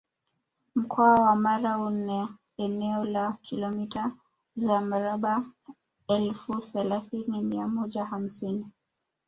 Mkoa wa Mara una eneo la Kilomita za mraba elfu thelathini mia moja hamsini